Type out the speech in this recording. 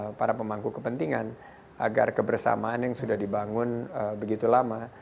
dan saya juga terus mengaku kepentingan agar kebersamaan yang sudah dibangun begitu lama